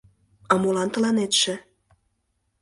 — А молан тыланетше?